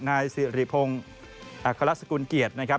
นายสิริพงศ์อัครสกุลเกียรตินะครับ